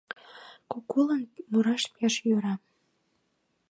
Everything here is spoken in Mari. Кукулан мураш пеш йӧра